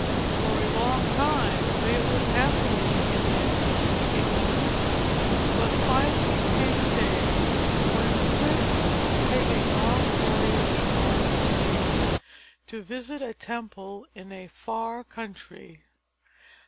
For a long time they lived happily in their peaceful kingdom, but finally came a day when Ceyx must take a long voyage on the sea, to visit a temple in a far country.